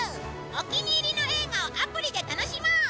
お気に入りの映画をアプリで楽しもう！